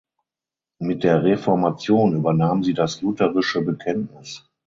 Mit der Reformation übernahm sie das lutherische Bekenntnis.